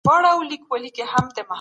د ذمي ژوند خوندي دی.